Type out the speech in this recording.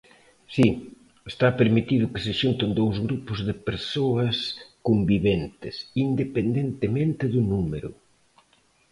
Si, está permitido que se xunten dous grupos de persoas conviventes, independentemente do número.